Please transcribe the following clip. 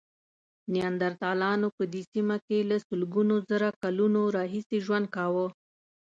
نیاندرتالانو په دې سیمه کې له سلګونو زره کلونو راهیسې ژوند کاوه.